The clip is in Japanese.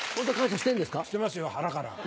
してますよ、腹から。